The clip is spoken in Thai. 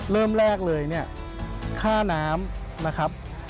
เริ่มแรกเลยเนี่ยค่าน้ำนะครับ